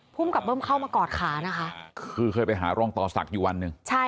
ไปหาร่องต่อศักดิ์อยู่วันหนึ่ง